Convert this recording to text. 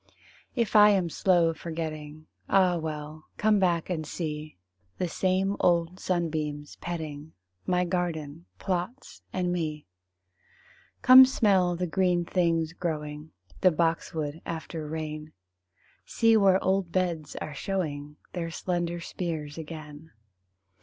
If I am slow forgetting Ah, well, come back and see The same old sunbeams petting My garden plots and me. Come smell the green things growing, The boxwood after rain; See where old beds are showing Their slender spears again.